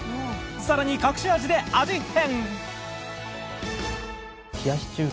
更に隠し味で味変！